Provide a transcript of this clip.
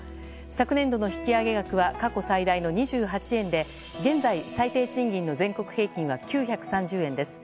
昨年度の引き上げ額は過去最大の２８円で現在、最低賃金の全国平均は９３０円です。